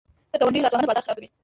د ګاونډیو لاسوهنه بازار خرابوي.